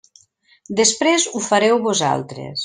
Després ho fareu vosaltres.